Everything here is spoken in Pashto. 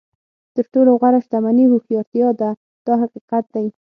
تر ټولو غوره شتمني هوښیارتیا ده دا حقیقت دی.